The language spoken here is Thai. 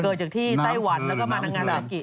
เกิดจากที่ไต้หวันแล้วก็มานางงามซากิ